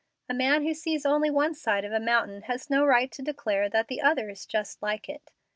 A man who sees only one side of a mountain has no right to declare that the other is just like it.